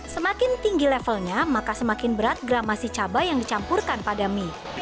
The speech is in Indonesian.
semakin tinggi levelnya maka semakin berat gramasi cabai yang dicampurkan pada mie